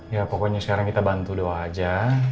ya pokoknya sekarang kita bantu doa aja